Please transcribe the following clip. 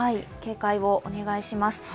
警戒をお願いします。